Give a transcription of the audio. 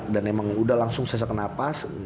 dan emang udah langsung sesak nafas